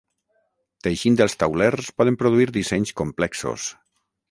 Teixint els taulers poden produir dissenys complexos.